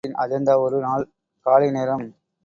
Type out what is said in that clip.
தமிழ் நாட்டின் அஜந்தா ஒரு நாள் காலை நேரம்.